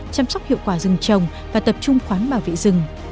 chăm sóc hiệu quả rừng trồng và tập trung khoán bảo vệ rừng